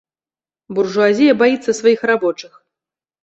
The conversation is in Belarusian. Буржуазія баіцца сваіх рабочых.